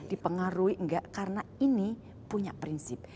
dipengaruhi enggak karena ini punya prinsip